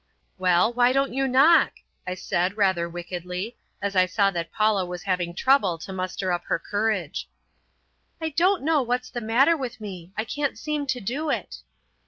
"Well, why don't you knock?" I said, rather wickedly, as I saw that Paula was having trouble to muster up her courage. "I don't know what's the matter with me; I can't seem to do it."